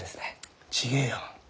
違えよ。